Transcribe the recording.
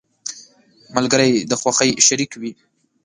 • ملګری د خوښۍ شریك وي.